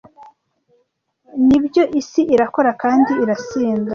nibyo isi irakora kandi irasinda